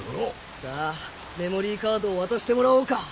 さぁメモリーカードを渡してもらおうか！